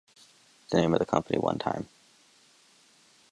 The name of the company, one time!